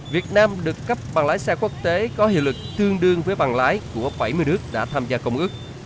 việt nam được cấp bằng lái xe quốc tế có hiệu lực tương đương với bằng lái của bảy mươi nước đã tham gia công ước